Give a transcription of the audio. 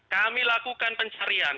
kami lakukan pencarian